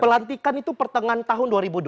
pelantikan itu pertengahan tahun dua ribu dua puluh